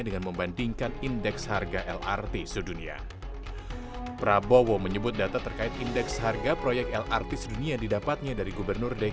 ketua umum partai gerindra prabowo subianto menyinggung mengenai besaran dana pengadaan proyek